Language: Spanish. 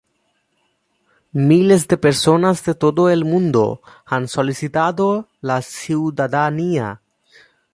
Miles de personas de todo el mundo han solicitado la ciudadanía.